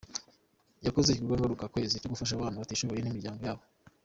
Yakoze igikorwa ngaruka kwezi cyo gufasha abana batishoboye n’imiryango yabo.